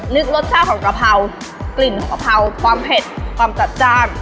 รสชาติของกะเพรากลิ่นของกะเพราความเผ็ดความจัดจ้าน